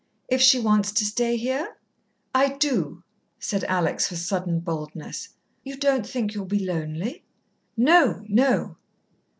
If she wants to stay here?" "I do," said Alex, with sudden boldness. "You don't think you'll be lonely?" "No, no."